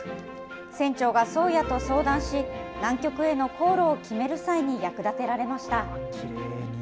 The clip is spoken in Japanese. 船長が宗谷と相談し、南極への航路を決める際に役立てられました。